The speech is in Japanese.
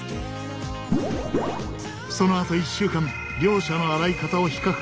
そのあと１週間両者の洗い方を比較。